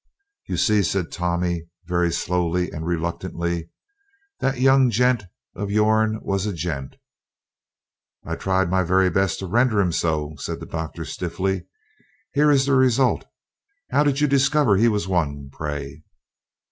"You see," said Tommy, very slowly, and reluctantly, "that young gent o' yourn was a gent." "I tried my very best to render him so," said the Doctor stiffly, "here is the result how did you discover he was one, pray?"